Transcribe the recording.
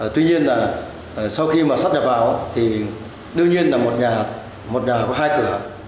tuy nhiên là sau khi sáp nhập vào thì đương nhiên là một nhà hạt có hai cửa